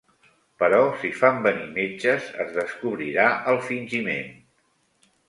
Però si fan venir metges es descobrirà el fingiment.